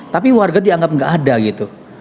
tapi warga dianggap nggak ada gitu